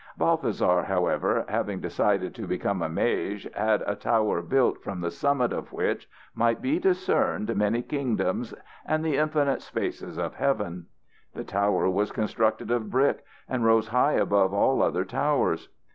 Balthasar, however, having decided to become a mage, had a tower built from the summit of which might be discerned many kingdoms and the infinite spaces of Heaven. The tower was constructed of brick and rose high above all other towers.